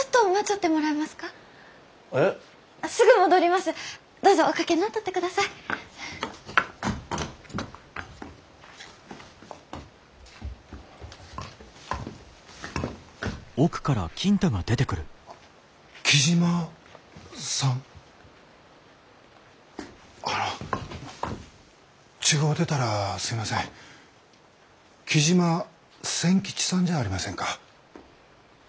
雉真千吉さんじゃありませんか？